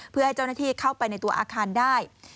เพื่อให้เจ้าหน้าที่เข้าไปในตัวอาคารได้